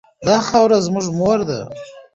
دا خاوره زموږ مور ده.